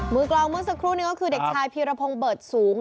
กลองเมื่อสักครู่นี้ก็คือเด็กชายพีรพงศ์เบิดสูง